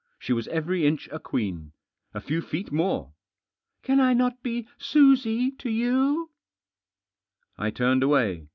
She was every inch a queen. A few feet more. " Can I not be Susie to you ?" I turned away.